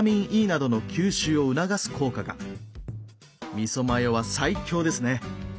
みそマヨは最強ですね。